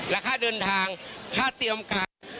และค่าเดินทางค่าเตรียมการ